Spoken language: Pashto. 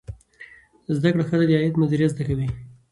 زده کړه ښځه د عاید مدیریت زده کوي.